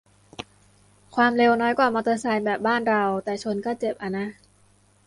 ความเร็วน้อยกว่ามอเตอร์ไซค์แบบบ้านเรา แต่ชนก็เจ็บอะนะ